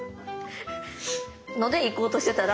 ので行こうとしてたら。